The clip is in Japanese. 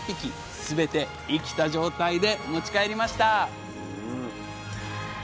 すべて生きた状態で持ち帰りました